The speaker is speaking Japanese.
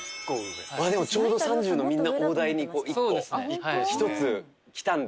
でもちょうど３０のみんな大台に１個一つ来たんだ？